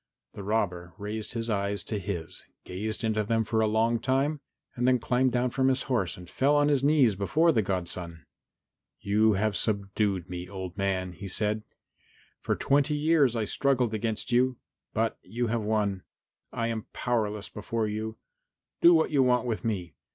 The robber raised his eyes to his, gazed into them for a long time, then climbed down from his horse and fell on his knees before the godson. "You have subdued me, old man," he said. "For twenty years I struggled against you, but you have won. I am powerless before you. Do what you want with me.